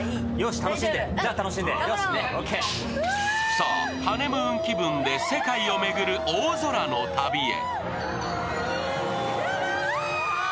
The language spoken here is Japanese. さあ、ハネムーン気分で世界を巡る大空の旅へ。